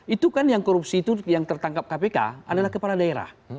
itu kan yang korupsi itu yang tertangkap kpk adalah kepala daerah